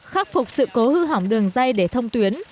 khắc phục sự cố hư hỏng đường dây để thông tuyến